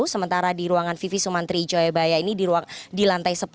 sementara di ruangan vivi sumantri jayabaya ini di lantai sepuluh